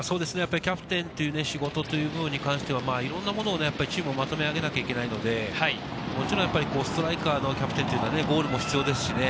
キャプテンという仕事というものに関してはいろんなもの、チームをまとめ上げなければいけないので、ストライカーのキャプテンというのはゴールも必要ですしね。